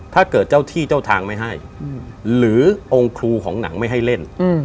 เจ้าที่เจ้าทางไม่ให้หรือองค์ครูของหนังไม่ให้เล่น